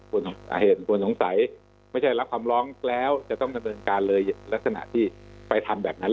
พูดอาเหตุก็สงสัยไม่ได้ลับความร้องแล้วจะต้องทำการเลยลักษณะที่ไปทำแบบนั้น